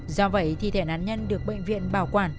do vậy thi thể nạn nhân được bệnh viện bảo quản